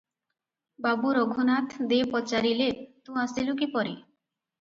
ବାବୁ ରଘୁନାଥ ଦେ ପଚାରିଲେ ତୁ ଆସିଲୁ କିପରି?